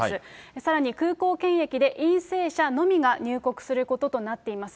さらに空港検疫で陰性者のみが入国することとなっています。